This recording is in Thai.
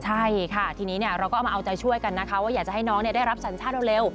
ใช่ค่ะทีนี้เราก็เอามาเอาใจช่วยกันนะคะว่าอยากจะให้น้องได้รับสัญชาติเร็ว